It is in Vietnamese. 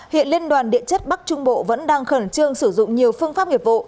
hiện liên đoàn điện chất bắc trung bộ vẫn đang khẩn trương sử dụng nhiều phương pháp nghiệp vụ